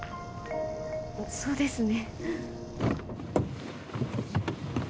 そうですね。